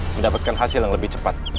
mendapatkan hasil yang lebih cepat